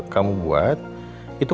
kamu buat itu